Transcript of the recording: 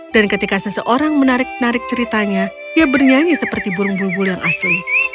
dan ketika seseorang menarik narik ceritanya ia bernyanyi seperti burung bulbul yang asli